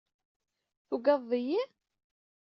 Tugadeḍ-iyi?